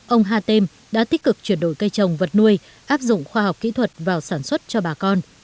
ông hatem đã tích cực chuyển đổi cây trồng vật nuôi áp dụng khoa học kỹ thuật vào sản xuất cho bà con